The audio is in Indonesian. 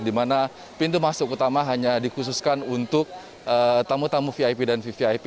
di mana pintu masuk utama hanya dikhususkan untuk tamu tamu vip dan vvip